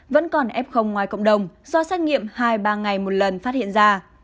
vẫn còn f ngoài cộng đồng do xét nghiệm hai ba ngày một lần phát hiện ra